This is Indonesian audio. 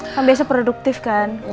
kamu biasa produktif kan